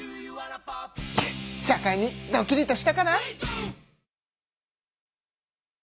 社会にドキリとしたかな？